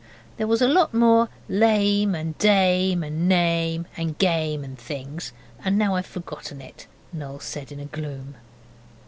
'There was a lot more "lame" and "dame" and "name" and "game" and things and now I've forgotten it,' Noel said in gloom.